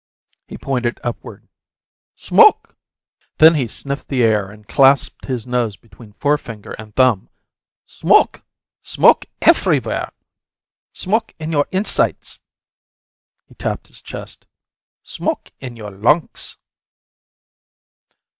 He pointed upward. "Smoke!" Then he sniffed the air and clasped his nose between forefinger and thumb. "Smoke! Smoke ef'rywhere. Smoke in your insites." He tapped his chest. "Smoke in your lunks!"